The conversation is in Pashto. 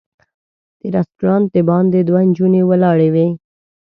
د رسټورانټ د باندې دوه نجونې ولاړې وې.